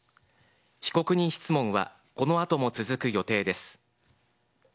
被告人質問は、このあとも続く予定です。